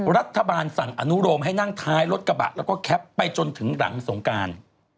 รัฐบาลสั่งอนุโรมให้นั่งท้ายรถกระบะแล้วก็แคปไปจนถึงหลังสงการ